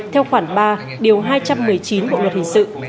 theo khoản ba điều hai trăm một mươi chín bộ luật hình sự